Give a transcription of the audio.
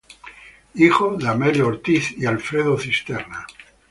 Hijo de Alfredo Cisterna y Amelia Ortiz.